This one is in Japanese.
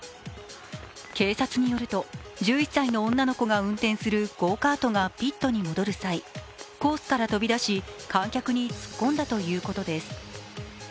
警察によると１１才の女の子が運転するゴーカートがピットに戻る際、コースから飛び出し観客に突っ込んだということです。